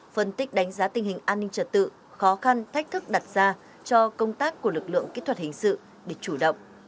phân tích đánh giá tình hình an ninh trật tự khó khăn thách thức đặt ra cho công tác của lực lượng kỹ thuật hình sự để chủ động